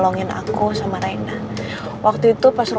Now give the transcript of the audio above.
nanti mama tanya sama ibu panti ya